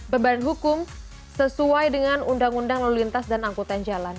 beban hukum sesuai dengan undang undang lalu lintas dan angkutan jalan